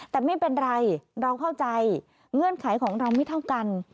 แต่ไม่เป็นไรเราเข้าใจเงื่อนไขของเราไม่เท่ากัน